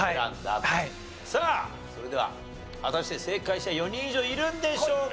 さあそれでは果たして正解者４人以上いるんでしょうか？